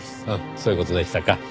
そういう事でしたか。